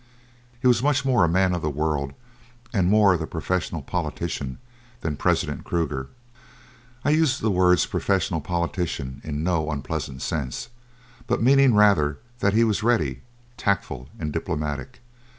He was much more a man of the world and more the professional politician than President Kruger. I use the words "professional politician" in no unpleasant sense, but meaning rather that he was ready, tactful, and diplomatic.